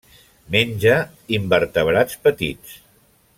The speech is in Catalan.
Menja invertebrats petits.